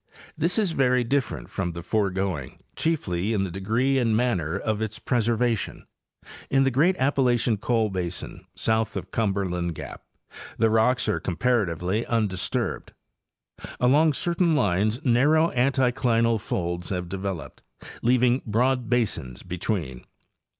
—This is very different from the foregoing, chiefly in the degree and manner of its preservation. In the great Ap palachian coal basin, south of Cumberland gap, the rocks are cqmparatively undisturbed. Along certain lines narrow anti clinal folds have developed, leaving broad basins between.